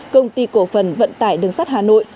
công ty cổ phần vận tải đường sắt hà nội